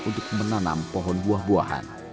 untuk menanam pohon buah buahan